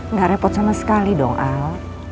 nggak repot sama sekali dong al